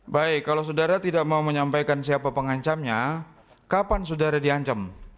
baik kalau saudara tidak mau menyampaikan siapa pengancamnya kapan saudara diancam